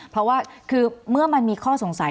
เพราะว่าคือเมื่อมันมีข้อสงสัย